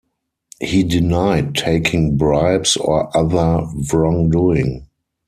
He denied taking bribes or other wrongdoing.